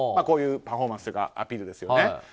こういうパフォーマンスというかアピールですよね。